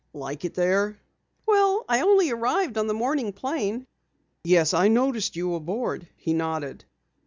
"Like it there?" "Well, I only arrived on the morning plane." "Yes, I noticed you aboard," he nodded.